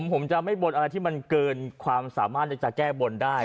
ผมจะไม่บนอะไรที่มันเกินความสามารถในการแก้บนได้